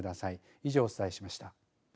以上、お伝えしました。